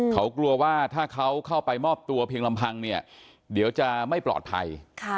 เขากลัวว่าถ้าเขาเข้าไปมอบตัวเพียงลำพังเนี่ยเดี๋ยวจะไม่ปลอดภัย